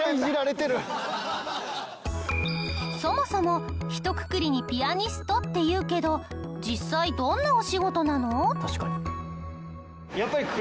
そもそもひとくくりにピアニストって言うけど実際どんなお仕事なの？